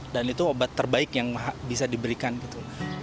dan itu obat terbaik yang bisa diberikan gitu